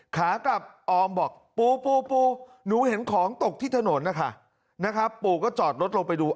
ขากลับออมบอกปูปูปูปูหนูเห็นของตกที่ถนนนะคะปูก็จอดรถลงไปดู